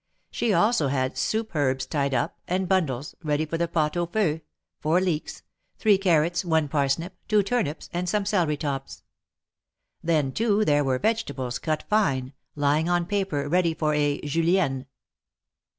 She also had soup herbs tied up, and bundles, ready for the pot au feu — four leeks, three carrots, one parsnip, two turnips, and some celery tops. Then, too, there were vegetables, cut fine, lying on paper, ready for a Julienne."